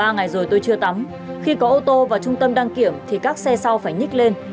ba ngày rồi tôi chưa tắm khi có ô tô vào trung tâm đăng kiểm thì các xe sau phải nhích lên